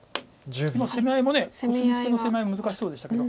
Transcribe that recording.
攻め合いもコスミツケの攻め合いも難しそうでしたけど。